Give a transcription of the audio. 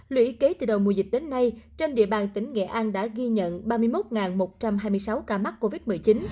lũy kế từ đầu mùa dịch đến nay trên địa bàn tỉnh nghệ an đã ghi nhận ba mươi một một trăm hai mươi sáu ca mắc covid một mươi chín